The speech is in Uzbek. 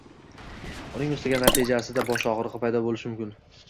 uning ustiga natijada bosh og‘rig‘i paydo bo‘lishi mumkin.